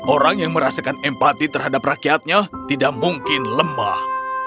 orang yang merasakan empati terhadap rakyatnya tidak mungkin lemah